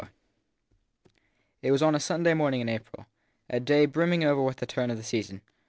IV IT was on a Sunday morning in April, a day brimming over with the turn of the season.